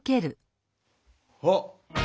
あっ！